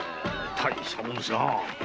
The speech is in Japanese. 大したもんですな。